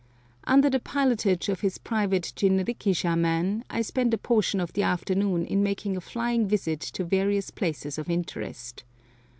Under the pilotage of his private jinrikisha man, I spend a portion of the afternoon in making a flying visit to various places of interest.